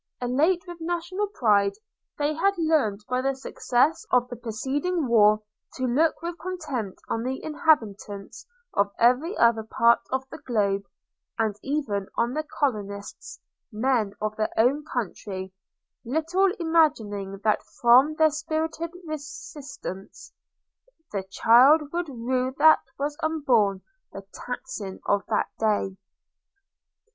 Elate with national pride, they had learned by the success of the preceding war to look with contempt on the inhabitants of every other part of the globe; and even on their colonists, men of their own country – little imagining that from their spirited resistance 'The child would rue that was unborn The taxing of that day.'